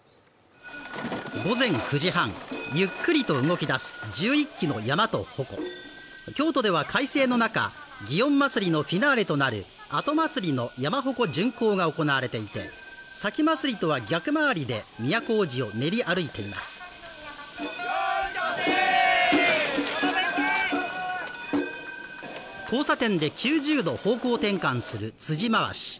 午前９時半ゆっくりと動き出し１１基の山と鉾京都では快晴の中祇園祭のフィナーレとなる後祭の山鉾巡行が行われていて前祭とは逆回りで都大路を練り歩いています交差点で９０度方向転換する辻回し